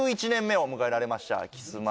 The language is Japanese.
１１年目を迎えられました